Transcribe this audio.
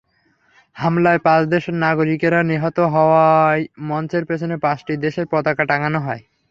হামলায় পাঁচ দেশের নাগরিকেরা নিহত হওয়ায় মঞ্চের পেছনে পাঁচটি দেশের পতাকা টাঙানো হয়।